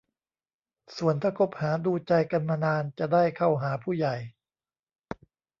ส่วนถ้าคบหาดูใจกันมานานจะได้เข้าหาผู้ใหญ่